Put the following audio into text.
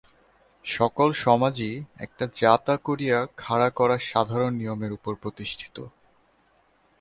সকল সমাজই একটা যা তা করিয়া খাড়া করা সাধারণ নিয়মের উপর প্রতিষ্ঠিত।